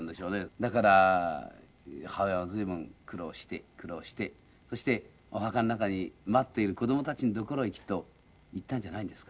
だから母親は随分苦労して苦労してそしてお墓の中に待っている子供たちの所へきっと行ったんじゃないんですか。